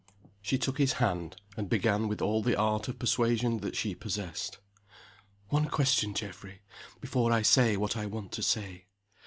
SHE took his hand, and began with all the art of persuasion that she possessed. "One question, Geoffrey, before I say what I want to say.